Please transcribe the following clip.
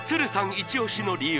イチオシの理由